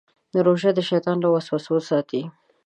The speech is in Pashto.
روژه د شیطان له وسوسو ساتي.